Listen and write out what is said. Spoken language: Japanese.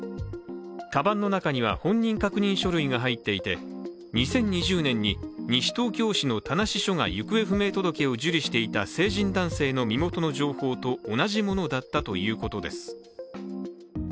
かばんの中には本人確認書類が入っていて２０２０年に西東京市の田無署が行方不明届を受理していた成人男性の身元の情報と同じものだったということです。